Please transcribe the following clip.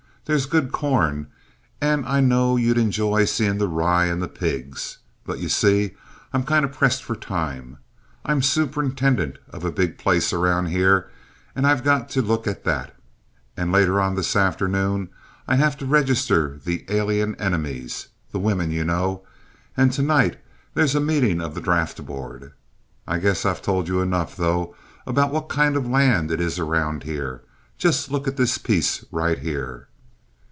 There's good corn, and I know you'd enjoy seeing the rye and the pigs. But, you see, I'm kinder pressed for time. I'm superintendent of a big place around here, and I got to look at that, and later on this afternoon I have to register the alien enemies the women, you know and to night there's a meeting of the draft board. I guess I've told you enough, though, about what kind of land it is around here. Just look at this piece right here."